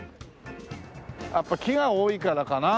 やっぱ木が多いからかな？